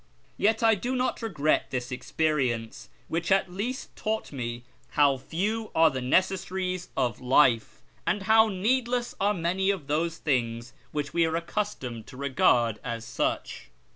Yet I do not regret this experience, which at least taught me how few are the neces saries of life, and how needless are many of those things which we are accustomed to regard as such.